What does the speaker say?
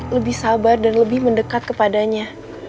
lebih sabar dan lebih mendekat kepadanya